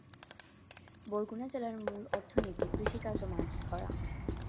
বরগুনা জেলার মূল অর্থনীতি কৃষি কাজ ও মাছ ধরা।